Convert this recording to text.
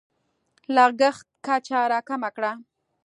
لګښت کچه راکمه کړه.